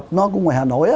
gặp nó của ngoài hà nội á